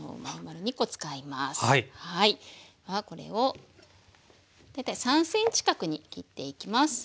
これを大体３ｃｍ角に切っていきます。